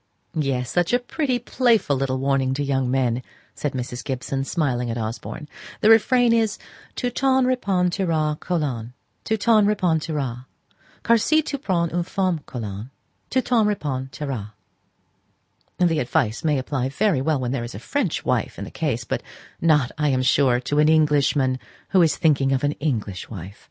'" "Yes; such a pretty, playful little warning to young men," said Mrs. Gibson, smiling up at Osborne. "The refrain is Tu t'en repentiras, Colin, Tu t'en repentiras, Car si tu prends une femme, Colin, Tu t'en repentiras. The advice may apply very well when there is a French wife in the case; but not, I am sure, to an Englishman who is thinking of an English wife."